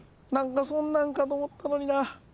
何かそんなんかと思ったのにな。